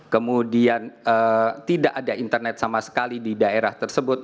kemudian tidak ada internet sama sekali di daerah tersebut